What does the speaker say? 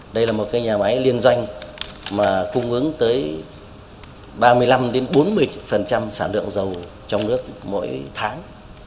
đây là một cái nhà máy liên doanh mà cung ứng tới ba mươi năm bốn mươi sản lượng dầu trong nước mỗi tháng